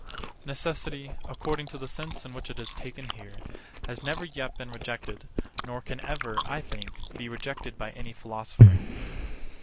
Necessity, according to the sense in which it is here taken, has never yet been rejected, nor can ever, I think, be rejected by any philosopher.